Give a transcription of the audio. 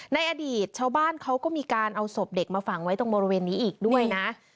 ในอดีตชาวบ้านเขาก็มีการเอาศพเด็กมาฝังไว้ตรงบริเวณนี้อีกด้วยนะ